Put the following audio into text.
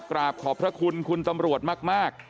กราบขอบพระคุณคุณตำรวจมาก